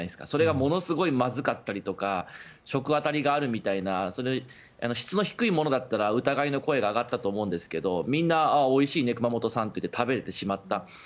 それがものすごくまずかったりとか食あたりがあるみたいな質の低いものだったら疑いの声が上がったと思うんですけどみんな、おいしいね熊本県産って食べれてしまった。